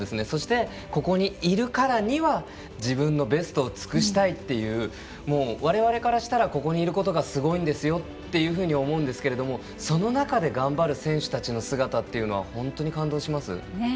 そして、ここにいるからには自分のベストを尽くしたいというわれわれからしたらここにいることがすごいんですよと思うんですけどその中で頑張る選手の姿というのは本当に感動します。